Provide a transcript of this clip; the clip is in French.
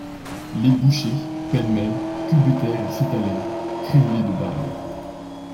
Les bouchers, pêle-mêle, culbutèrent et s'étalèrent, criblés de balles.